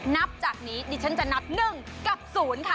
นับจากนี้ดิฉันจะนับ๑กับ๐ค่ะ